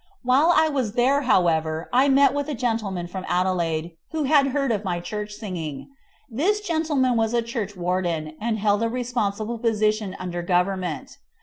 While I was there, however, I met with a gentleman from Adelaide, who had heard of my church singing. This gentleman was a churchwarden, and held a responsible position under Government.